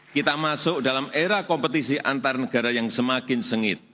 kita masuk dalam era kompetisi antar negara yang semakin sengit